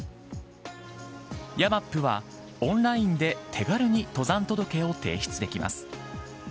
ヤマップはオンラインで手軽に登山届を提出できます。